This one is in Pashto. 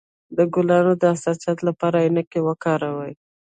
د ګلانو د حساسیت لپاره عینکې وکاروئ